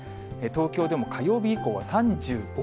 東京でも火曜日以降は３５、６度。